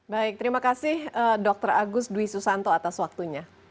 baik terima kasih dr agus dwi susanto atas waktunya